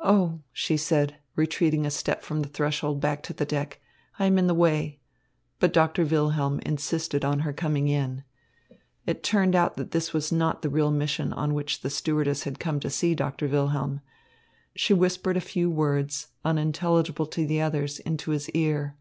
"Oh," she said, retreating a step from the threshold back to the deck, "I am in the way." But Doctor Wilhelm insisted on her coming in. It turned out that this was not the real mission on which the stewardess had come to see Doctor Wilhelm. She whispered a few words, unintelligible to the others, into his ear.